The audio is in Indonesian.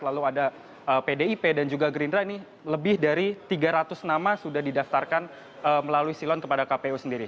lalu ada pdip dan juga gerindra ini lebih dari tiga ratus nama sudah didaftarkan melalui silon kepada kpu sendiri